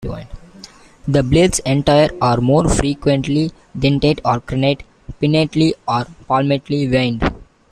The blades entire or more frequently dentate or crenate, pinnately or palmately veined.